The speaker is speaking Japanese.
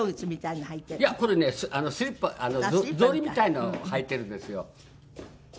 いやこれねスリッパ草履みたいなのを履いてるんですよ。